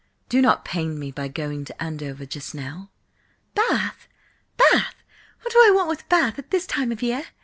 Do not pain me by going to Andover just now." "Bath! Bath! What do I want with Bath at this time of the year?